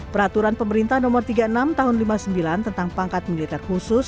peraturan pemerintah nomor tiga puluh enam tahun seribu sembilan ratus lima puluh sembilan tentang pangkat militer khusus